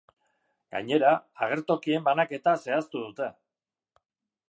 Gainera, agertokien banaketa zehaztu dute.